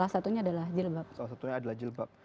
salah satunya adalah jilbab